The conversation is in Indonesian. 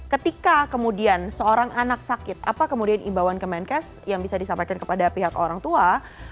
ketika kemudian seorang anak sakit apa kemudian imbauan kemenkes yang bisa disampaikan kepada pihak orang tua